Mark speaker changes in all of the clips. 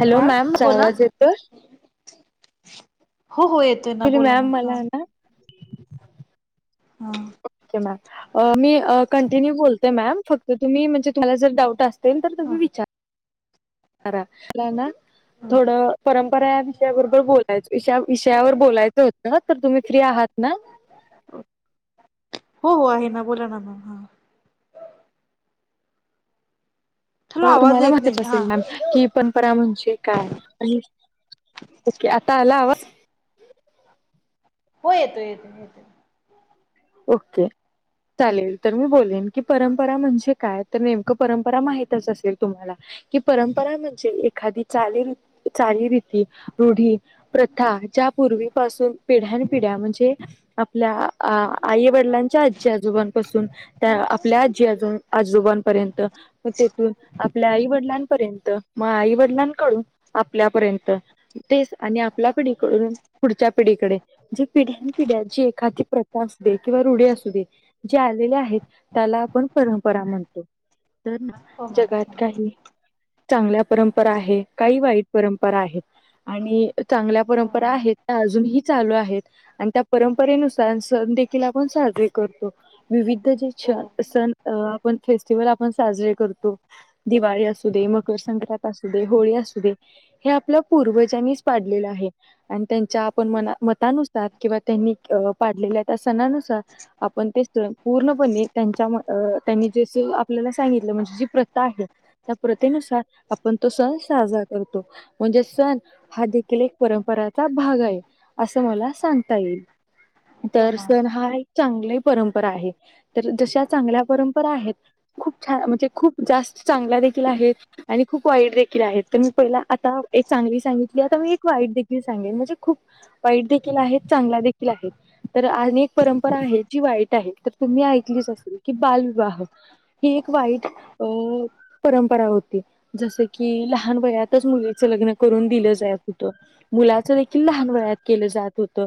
Speaker 1: Hello
Speaker 2: हा
Speaker 1: ma'am
Speaker 2: बोला
Speaker 1: जावाज येतोय
Speaker 2: हो हो येतोय ना
Speaker 1: ऍक्च्युली
Speaker 2: बोला
Speaker 1: मॅम
Speaker 2: ना हा
Speaker 1: मला
Speaker 2: हा
Speaker 1: ओके कंटिन्यू बोलते मॅम फक्त तु म्हणजे ह्याला जर डाऊट अस असेल तर तुम्ही
Speaker 2: ह
Speaker 1: विचार आरा ना थोडं परंपरा या विषयाबरोबर बोलायचं विषयावर बोलायचं होतं तर तुम्ही फ्री आहात ना
Speaker 2: हो हो आहे ना बोला ना मम हां आवाज
Speaker 1: तुम्हाला
Speaker 2: येत
Speaker 1: माहीतचं
Speaker 2: नाही हा
Speaker 1: असेल
Speaker 2: हा
Speaker 1: मॅम की परंपरा म्हणजे काय? आणि ओके आता आला आवाज-
Speaker 2: हो येतो येतो येतो
Speaker 1: ओके चालेल तर मी बोलेन की परंपरा म्हणजे काय तर नेमकं परंपरा माहितच असेल तुम्हाला कि परंपरा म्हणजे एखादी चाली चालीरीती रूढी प्रथा ज्या पूर्वीपासून पिढ्यानं पिढ्या म्हणजे आपल्या आई वडिलांच्या आजी आजोबांपासून त्या आपल्या आजी आजो आजोबांपर्यंत तेथून आपल्या आई वडिलां र्यंत मग आई वडिलांकडून आपल्यापर्यंत तेच आणि आपल्या पिढीकडून पुढच्या पिढीकडे म्हणजे पिढ्या पिढ्याची एखादी प्रथा किंवा रुढ असू दे जे आलेले आहेत त्याला आपण परंपरा म्हणतो तर
Speaker 2: हो
Speaker 1: जगात
Speaker 2: मॅम
Speaker 1: काही चांगल्या परंपरा आहे काही वाईट परंपरा आहेत आणि चांगल्या परंपरा
Speaker 2: हो
Speaker 1: आहेत त्या अजूनही चालू आहेत आणि त्या परंपरेनुसार सण तिण साजरे करतो विविध जे
Speaker 2: हो
Speaker 1: सण आपण फेस्टिवल आपण साजरे करतो दिवाळी असू दे. मकर संक्रांत असू दे. होळी असू दे. हे आपल्या पूर्वजांनी पाडलेल आहे आणि त्यांच्या मतानुसार किंवा त्यांनी पाडलेल्या त्या सणानुसार आपण ते पूर्णपणे त्यांच्या त्यांनी जसं आपल्याला सांगितले म्हणजे जी प्रथा आहे त्या प्रथेनुसार आपण तो सण साजरा करतो म्हणजे सण हा देखील एक परंपराचा भाग आहे. असं मला सांगता येईल.
Speaker 2: हो
Speaker 1: तरर्
Speaker 2: मॅम
Speaker 1: सण हाय चांगली परंपरा आहे तर जशा चांगल्या परंपरा आहेत खूप छान म्हणजे खूप जास्त चांगला देखील आहेत आणि खूप वाईट देखील आहेत तर मी पहिला आता एक चांगली सांगितली आता मी एक देखील सांगेन म्हणजे खूप वाईट देखील आहे चांगला देखील आहे तर अ एक परंपरा आहे जी वाईट आहे तर तुम्ही ऐकलीच असेल की बालविवाह ह एक वाईट परंपरा होती जस की लहान वयातच मुलीच लग्न करून मुलाच देखील लहान वयात के जात होत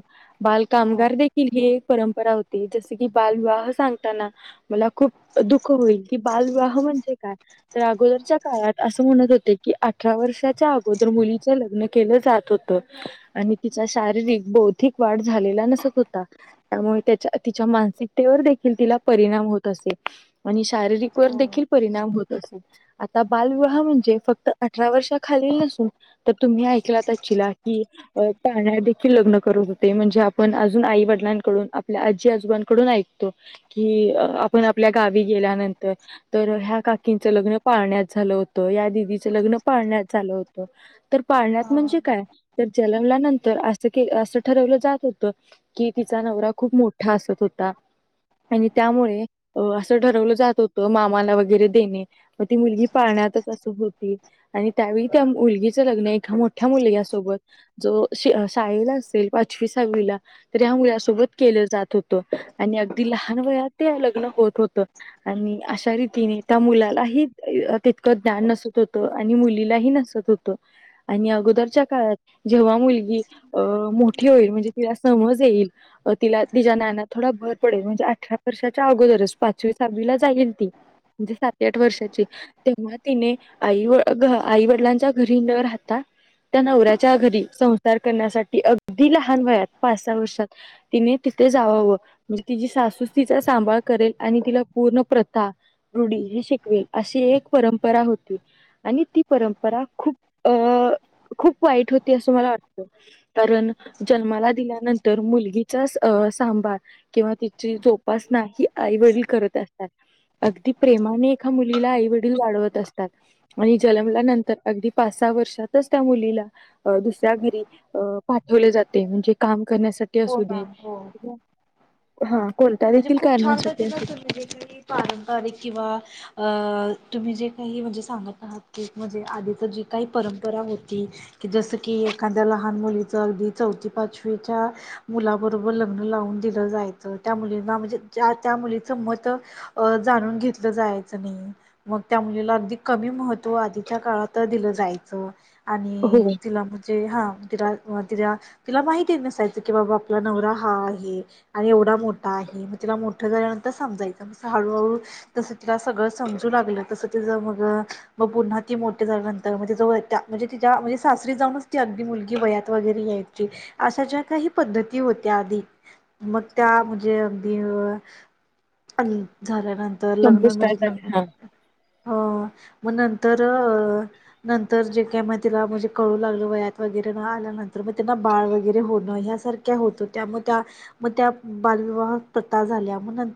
Speaker 2: हो
Speaker 1: बालकामगारील एक परंपरा होती जस की बालविवाह सांगताना मला खूप दुःख होईल की बा म्हणजे काय अगोदरच्या काळात अस म्हणत होते की अठरा वर्षाच्या अगोदर मुली ति लग्न केलं जात होत आणि तिचा शारीरिक बौद्धिक वाढ झालेला नसत होता त्यामुळे त्या तिच्या मानसिकतेवर देखील तिला परिणाम होत असे आणि शारीरिक व
Speaker 2: हो
Speaker 1: बालविवाह म्हणजे फक्त अठरा वर्ष खालील तुम्ही ऐकला चला की पाण्या देील लग्न करत होते म्हणजे आपण अजून आई ंकडून आपल्या आजी आजोबांकडून ऐकतो की आपण आपल्या गावी गेल्यानंतर तर ह्या काकींचं लग्न पाण्यात झालं होतं या दिदीचं लग्न पाळण्यात झालं होतं तर पाण्यात
Speaker 2: हा
Speaker 1: म्हणजे काय तर जनमल्यानंतर अस अस ठरवलं जात होतं की तिचा नवरा खूप मोठा असत होता आणि त्यामुळे असं ठरवलं जात होतं मामाला वगैरे देणे म ती मुलगी पाळणे ल शाळेला असेल पाचवी सहावीला तर ह मुलासोबत केलं जात होतं आणि अगदी लहान वया ते लग्न होत होत आणि अशा रीतीने त्या मुलालाही तितकं ज्ञान नसत होतं आणि मुलीलाही नसत होतं आणि अगोदरच्या काळात जेव्हा मुलगी मोठी होईल म्हणजे तिला समज त त भर पल म्हण अठ वच्याच ती म्हणजे सात आठ वर्षाची तेव्हा तिने आई आई वडिलांच्या घरी न राहता त्या नवऱ्याच्या घरी संसार करण्यासाठी अगदी लहान वयात पास त तिथ म्हणे त सू तचा सां करेल आणि तिला पूर्ण प्रथा रूढी ही शिकवेल अशी एक परंपरा होती आणि ती परंपरा खूप अ खप वा हो अस म वा कारण जन्ला दिन तर मुलगीचाच सांबार किंवा तिची जोपासना ही आई वडील करत असते अ अगदी प्रेमाने एका मुलीला आईवडील वाढवत असतात आणि जन्मलानंतर अगदी पासा मु द घरीठ जे म्हणे का करण्यासाठी
Speaker 2: हो
Speaker 1: असू दे
Speaker 2: मॅम हो
Speaker 1: हा कोणत्या
Speaker 2: म्हणजे
Speaker 1: देखील
Speaker 2: खूप छान
Speaker 1: कारणासाठी
Speaker 2: पद्तीन
Speaker 1: असू
Speaker 2: तुम्ही जे काही पारंपरिक किंवा अ तुम्ही जे काही म्हणजे सांगत आहात की म्हणजे आधीच जी काही परंपरा होती की जसं की एखाद्या लहान मुलीचं अगदी चौथी पाचवीच्या मुलाबरोबर लग्न लावून दिलं जायचं त्या मुलींना म्हणजे त्या मुलीच मत अ जाणून घेतलं जायचं नाही मग त्या मुलीला अगदी कमी महत्त्व आधीच्या काळात दिलं जायचं आणि
Speaker 1: हो
Speaker 2: तिला म्हणजे हा तिला तिला तिला माहिती नसायची की बाबा आपला नवरा हा आहे आणि एवढा मोठा आहे मग तिला मोठं झाल्यानंतर समजायचं हळूहळू तस तिला सगळं सम पु्हा ऊ अग मुलगी वयात वगैरे यायची अशा ज्या काही पद्धती होत्या आधी मग त्या म्हणजे अगदी आणि झाल्यानंतर लग्ना म्हणजे
Speaker 1: संपुष्टात आले
Speaker 2: लग्न
Speaker 1: हा
Speaker 2: मग तर नंतर जे काय मग तिला म्हणजे कळू लागलं वयात वगैरे न आल्यानंतर मग त्यांना बाळ वगैरे होण या बावा झाल्या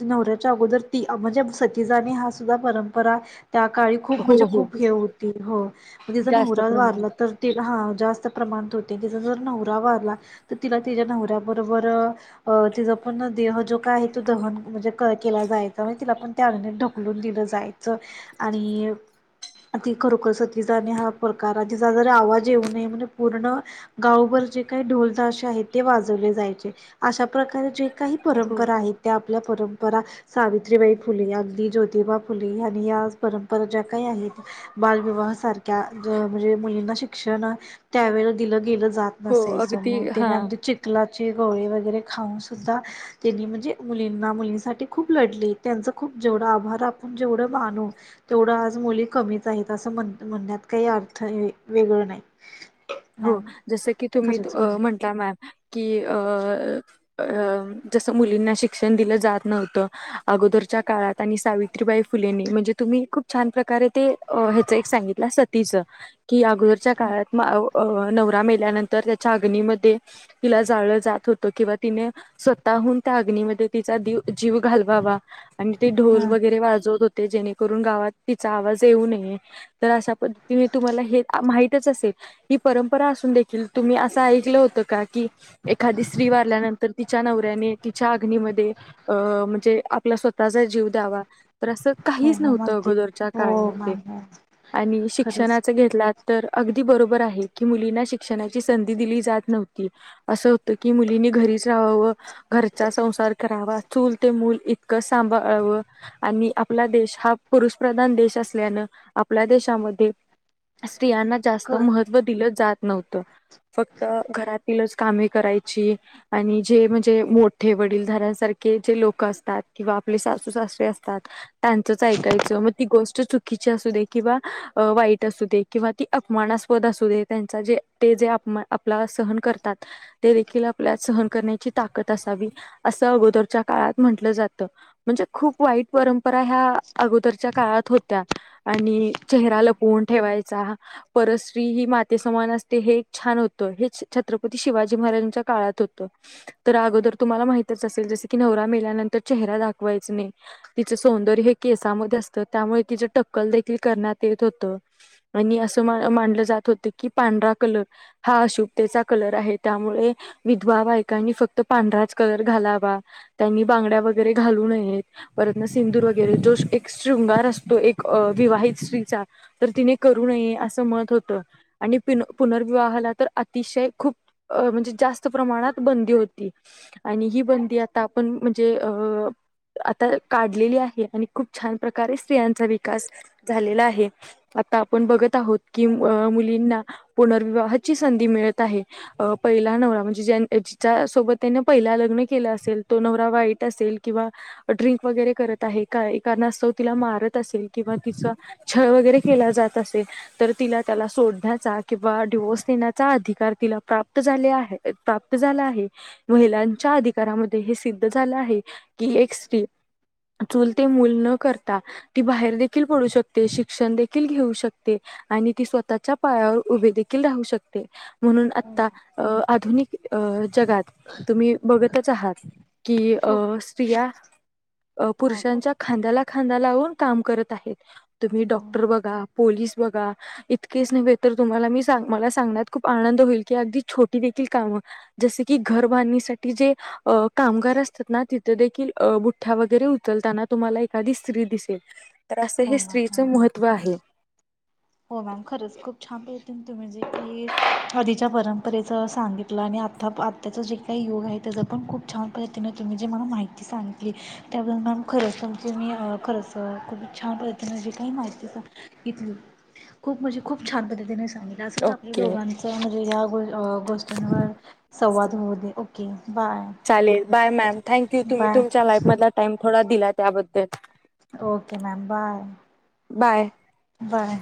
Speaker 2: त नवऱ्याच्या अगोदर त म्हणजे सतीजने हा सुद्धा परंपरा त्या काळी खूप
Speaker 1: हो
Speaker 2: म्हणजे
Speaker 1: हो
Speaker 2: खूप हे होती हो तिचा
Speaker 1: जास्त
Speaker 2: नवऱात वाारला
Speaker 1: प्रमाणात
Speaker 2: तर ते हा जास्त जर नवरा वारला तर तिला त्याच्या नवऱ्याबरोबर तिचा पण देह जो काय आहे तो दहन म्हणजे केला जायचा म्ह तिला पण त्या अंगनेत ढकलून दिलं जायच आणि ति खरोखर स तिजणे हा प्रकार आहे, जिचा जर आवाज येऊ नये म्हणून. पूर्ण गावभर जे काही ढोल ताशे आहेत ते वाजवले जायचे अशा प्रकारे जे काही
Speaker 1: हो
Speaker 2: परंपरा आहेत त्या आपल्या परंपरा सावित्रीबाई फुले, अगदी ज्योतिबा फुले, आणि या परंपरा ज्या काही आहे. बालविवाह सारख्या म्हणजे, मुलींना शिक्षण त्यावेळेस दिलं गेलं जात
Speaker 1: हो
Speaker 2: नसायचं,
Speaker 1: अगदी
Speaker 2: मग त्याने
Speaker 1: हा
Speaker 2: आमच्या चिकला गोळे वगैरे खाऊन सुद्धा त्यांनी म्हणजे मुलींना मुलींसाठी खूप लढले, त्यांच खूप जेवढा आभार आपण जेवढं मानू तेवढं आज मुली कमीच आहेत, असं म्हण म्हणण्यात काही अथ थ वेगळं नाही.
Speaker 1: हो
Speaker 2: मॅम
Speaker 1: जस की तुम्ही
Speaker 2: खरंच म्हणजे
Speaker 1: म्हंटला मॅम की अ अ जसं मुलींना शिक्षण दिलं जात नव्हतं, अगोदरच्या काळात आणि सावित्रीबाई फु फुलेनी म्हणजे तुम्ही खप छान प्रकार ते ह्याच एक सांगितला सगित स की अगोदरच्या काळात, अ, नवरा मेल्यानंतर त्याच्या अगनीमध्ये तिला जाळलं जात होत. किंवा तिने स्वतःहून त्या अग्नीमध्येति दिऊ जीव घालवावा आणि ते ढोल
Speaker 2: हा
Speaker 1: वगैरे वाजवत होते. जेणेकरून गावात तिचा आवाज येऊ नये तर अशा पद्धतीने तुम्हाला हे माहितच असेल. ही परंपरा असून देखील तुम्ही असं ऐकलं होतं का? की एखादी स्त्री वारल्यानंतर तिच्या नवऱ्या आणि तिच्या अग्नीमध्ये अ म्हणजे आपला स्वतःचा जीव द्यावा. तर असं
Speaker 2: हो
Speaker 1: काहीच
Speaker 2: मॅम
Speaker 1: नव्हतं
Speaker 2: अगदी
Speaker 1: अगोदरच्या
Speaker 2: हो
Speaker 1: काळामध्ये
Speaker 2: मॅम हो
Speaker 1: आणि
Speaker 2: खरंच
Speaker 1: शिक्षणाच घेतला. तर अगदी बरोबर आहे. की मुलींना शिक्षणाची संधी दिली जात नव्हती असं होतं की मुलींनी घरीच राहावावं. घरचा संसार करावा चूल ते मूल इतकं सांभाळावं. आणि आपला देश हा पुरुष प्रधान देश असल्यान आपल्या देशामध्ये स्त्रियांना
Speaker 2: क
Speaker 1: जास्त
Speaker 2: हो
Speaker 1: महत्व दिलं जात नव्हत. फक्त घरातीलच कामे करायची, आणि जे म्हणजे मोठे वडीलधाऱ्यांसारखे जे लोक असतात किंवा आपले सासू सासे असतात त्यांचच ऐकायचं मग ती गोष्ट चु चुकीचे असू दे किंवा वाईट अस किंवा ती अपमा पद असो दे त्यां जे आप सह करतात ते दे आपल्या सहन करण्याची ताकत असावी असं अगोदरच्या काळात म्हटलं जातं, म्हणजे खूप वाईट परंपरा ह्या अगोदरच्या काळात होत्या आणि चेहरा ल
Speaker 2: मॅम
Speaker 1: पून ठेवायचा पर स्त्री ही माते समान असते हे एक छान होतं, हे छत्रपती शिवाजी महाराजांच्या काळात होतं. तर अगोदर तुम्हाला माहितच असेल जस की नवरा मेल्यानंतर चेहरा दाखवायचा नाही तिच सौंदर्य केसांमध्ये असतं त्यामुळे तिचं टक्कल देखील करण्यात येत होतं. आणि असं अ मानलं जातं जात होते की पांढरा कलर हा अशुभतेचा कलर आहे, त्यामुळे विधवा बायकांनी फक्त त पांढराच कलर घालावा त्यांनी बांड्या वगैरे घालू नयेत परत सिंदू वगैरे एक शृंगार असतो एक विवाहित स्त्रीचा तर तिने करू नये असं मत होतं. आणि पुनर्विवाहाला तर अतिशय खूप म्हणजे जास्त प्रमाणात बंदी होती. आणि ही बंदी आता आपण म्हणजे अ आता काढलेली आहे आणि खूप छान प्रकारे स्त्रियांचा विकास झालेला आहे. आता आपण बघत आहोत की मु मुलींना पुनर्विवाहाची संधी मिळत आहे. पहिला नवरा ज्यांनी जिच्या सोबत त्यांनी त्याने पहिला लग्न केल असेल, तो नवरा वाईट असेल किंवा ड्रिंक वगैरे करत आहे का क त मार असेल किंवा ति छळ वगैरे केला जात असेल तर तिला त्याला सोडण्या याचा किंवा डीओस देण्याचा अधिकार तिला प्राप्त झाले आहेप्र प्रत झाला आहे. मुलांच्या अधिकारामध्ये हे सिद्ध झालं आहे की एक चूल ते मूल न करता ती बाहेर देखील पडू शकते, शिक्षण देखील घेऊ शकते, आणि ती स्वतःच्या पायावर उभे देखील राहू शकते. म्हणून
Speaker 2: हो
Speaker 1: आता
Speaker 2: मॅम
Speaker 1: अं आधुनिक अं जगात तुम्ही बघतच आहात की
Speaker 2: खूप
Speaker 1: अं स्त्रिया अ
Speaker 2: हा खूप
Speaker 1: पुरुषांच्या खांद्याला खांंदा लावून काम करत आहे. तुम्ही
Speaker 2: हो
Speaker 1: डॉक्टर बघा, पोलीस बघा इतकेच नव्हे, तुम्हाला मी सांंग मला सांगण्यात खूप आनंद होईल की अगदी छोटी देखील कामं जस की घर वानी जे अं कामगार असतील ना तिथे देखिल अं बुठ्ठा वगैरे उचलताना तुम्हाला एखादी स्त्री दिसेल तर असं हे
Speaker 2: हो मॅम
Speaker 1: स्त्रीच
Speaker 2: हो
Speaker 1: महत्त्व आहे.
Speaker 2: हो मॅम खरंच खूप छान पद्धतीने तुम्ही जे की आधीच्या परंपरेच सांगितलं आणि आ आता प आत्ताचं जे काही योग आहे त्याचं पण खुप छान पद्धतीनें तुम्ही जे मला माहिती सांगितली त्याब मॅम खरंच म्हणजे मी अं खरंच अं खूप छान पद्धतीने जी काही माहिती सांगितली. खूप म्हणजे खूप छान पद्धतीने सांगितलं असंच आपल्या
Speaker 1: ओके.
Speaker 2: दोघांच म्हणजे या. गो गोष्टींवर संवाद होऊ दे ओके बाय
Speaker 1: चालेल. बाय मॅम थँक्यू तुम्ही
Speaker 2: बाय
Speaker 1: तुमच्या लाईफमधला टाइम थोडा दिला त्याबद्दल,
Speaker 2: okay ma'am bye
Speaker 1: bye.
Speaker 2: Bye.